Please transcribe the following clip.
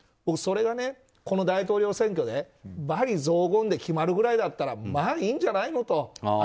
それがこの大統領選挙で罵詈雑言で決まるぐらいだったらまあいいんじゃないのと。